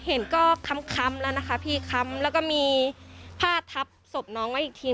เห็นก็ค้ำแล้วนะคะพี่ค้ำแล้วก็มีผ้าทับศพน้องไว้อีกที